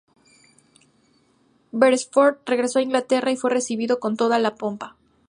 Beresford regresó a Inglaterra y fue recibido con toda la pompa.